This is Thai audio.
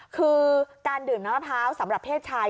คือการดื่มน้ำมะพร้าวสำหรับเพศชาย